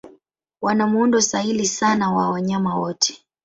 Wana muundo sahili sana wa wanyama wote.